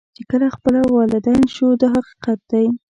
چې کله خپله والدین شو دا حقیقت دی.